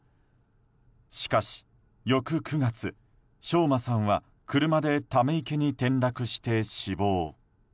しかし翌９月、翔馬さんは車でため池に転落して死亡。